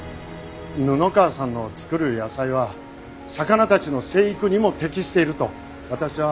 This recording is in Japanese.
布川さんの作る野菜は魚たちの生育にも適していると私は思ってるんです。